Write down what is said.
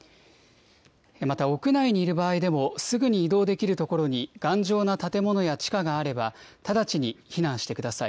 また、屋内にいる場合でも、すぐに移動できる所に頑丈な建物や地下があれば、直ちに避難してください。